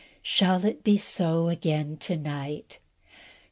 Shall it be so again to night?